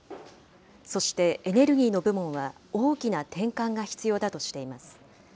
そしてエネルギーの部門は、大きな転換が必要だとしています。